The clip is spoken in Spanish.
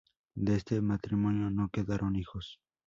De este matrimonio no quedaron hijos.